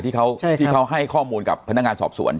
ที่เขาให้ข้อมูลกับพนักงานสอบสวน